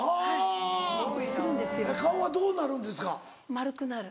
丸くなる。